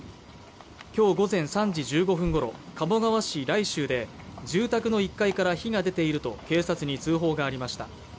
今日午前３時１５分ごろ鴨川市来秀で住宅の１階から火が出ていると警察に通報がありました